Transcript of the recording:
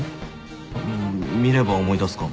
見れば思い出すかも。